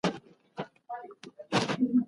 دعا، دعا كوم